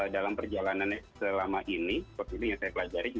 dalam perjalanannya selama ini seperti ini yang saya pelajari